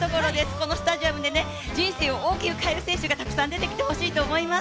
このスタジアムに人生を大きく変える選手が多く出てほしいと思います。